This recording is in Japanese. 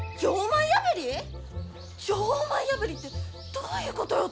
錠前破りってどういうことよ